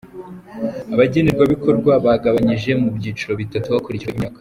Abagenerwabikorwa bagabanyije mu byiciro bitatu hakurikijwe imyaka:.